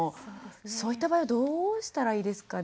そういった場合はどうしたらいいですかね？